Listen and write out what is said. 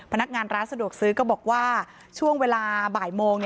พนักงานร้านสะดวกซื้อก็บอกว่าช่วงเวลาบ่ายโมง